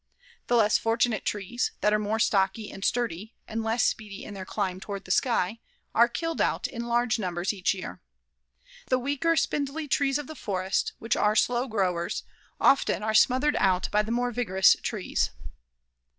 The less fortunate trees, that are more stocky and sturdy, and less speedy in their climb toward the sky, are killed out in large numbers each year. The weaker, spindly trees of the forest, which are slow growers, often are smothered out by the more vigorous trees.